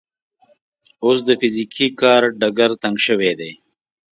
اوس د فزیکي کار ډګر تنګ شوی دی.